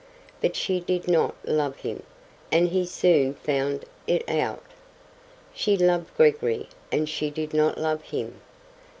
But she did not love him, and he soon found it out. She loved Gregory, and she did not love him.